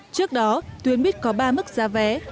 trước đó tuyến buýt có ba mức giá vé